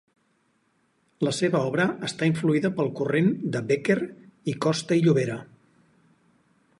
La seva obra està influïda pel corrent de Bécquer i Costa i Llobera.